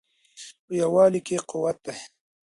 په یووالي کې قوت دی.